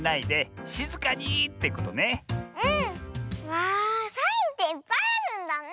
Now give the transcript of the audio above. わあサインっていっぱいあるんだね。